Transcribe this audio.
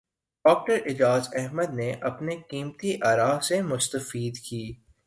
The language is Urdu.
ڈاکٹر اعجاز احمد نے اپنے قیمتی اراءسے مستفید کی